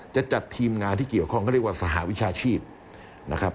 จะจัดทีมงานที่เกี่ยวข้องเขาเรียกว่าสหวิชาชีพนะครับ